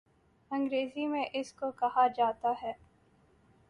انگریزی میں اس کو کہا جاتا ہے